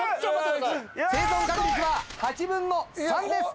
生存確率は８分の３です。